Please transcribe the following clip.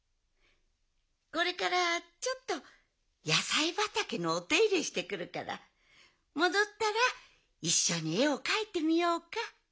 これからちょっとやさいばたけのおていれしてくるからもどったらいっしょにえをかいてみようか？